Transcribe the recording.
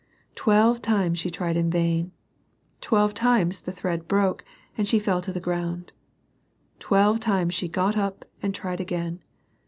Twelve times she tried in vain : twelve times the thread broke, and she fell to the ground. Twelve times she got up, and tried again.